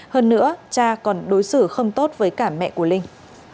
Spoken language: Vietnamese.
hơn nữa cha còn đối xử không tốt với cả mẹ của linh